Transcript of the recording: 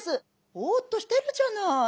「ボーッとしてるじゃない？